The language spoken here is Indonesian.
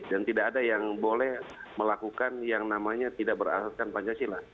dan tidak ada yang boleh melakukan yang namanya tidak berasaskan pancasila